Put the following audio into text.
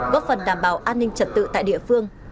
góp phần đảm bảo an ninh trật tự tại địa phương